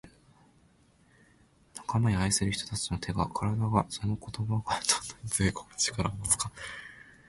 「仲間や愛する人達の手が体がその言葉がどんなに強い力を持つか」